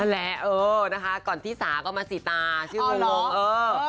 นั่นแหละเออนะคะก่อนที่สาก็มาสีตาชื่อลูงเออ